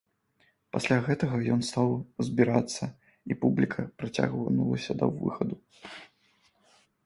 Пасля гэтага ён стаў збірацца і публіка пацягнулася да выхаду.